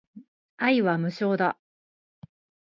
愛は無償だ